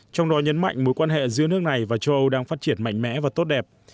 trong đó nhấn mạnh mối quan hệ giữa nước này và châu âu đang phát triển mạnh mẽ và tốt đẹp